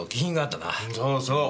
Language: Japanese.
そうそう。